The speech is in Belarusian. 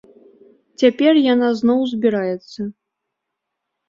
Цяпер яна зноў збіраецца.